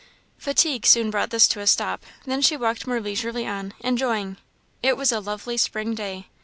Fatigue soon brought this to a stop; then she walked more leisurely on, enjoying. It was a lovely spring day.